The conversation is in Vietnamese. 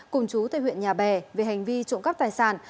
cùng chú tại huyện nhà bè về hành vi trộm cắp tài sản